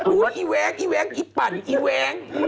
เอี๊วแวงอีแวงอีปั่นเอี๊วแวง